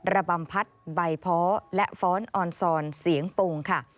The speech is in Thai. ระบำพัดใบเพาะและฟ้อนออนซอนเสียงโป่งค่ะ